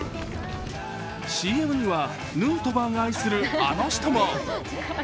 ＣＭには、ヌートバーが愛するあの人も。